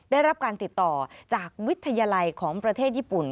ได้รับการติดต่อจากวิทยาลัยของประเทศญี่ปุ่น